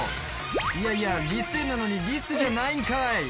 いやいや、リス園なのにリスじゃないんかい。